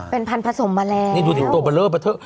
แทนพันธุ์ผสมมาแล้วตัวเบลอเบลอเบลอเบลอ